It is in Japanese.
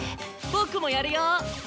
僕もやるよ。